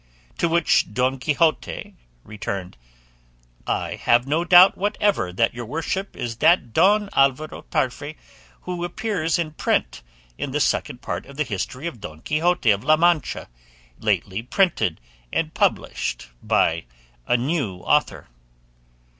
To which Don Quixote returned, "I have no doubt whatever that your worship is that Don Alvaro Tarfe who appears in print in the Second Part of the history of Don Quixote of La Mancha, lately printed and published by a new author."